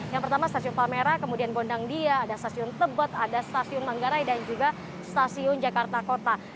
yang pertama stasiun pamera kemudian gondang dia ada stasiun tebot ada stasiun manggarai dan juga stasiun jakarta kota